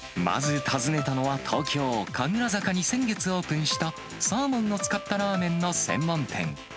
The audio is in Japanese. まず訪ねたのは、東京・神楽坂に先月オープンした、サーモンを使ったラーメンの専門店。